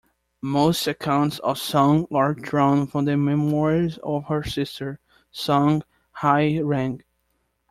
Most accounts of Song are drawn from the memoirs of her sister, Song Hye-rang.